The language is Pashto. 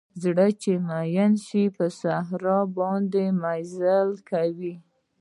زړه چې مئین شي په صحرا باندې مزلې کوي